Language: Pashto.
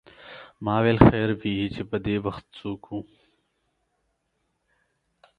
ما ویل خیر وې چې پدې وخت څوک و.